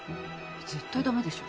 絶対ダメでしょ。